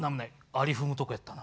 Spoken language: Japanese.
アリ踏むとこやったな。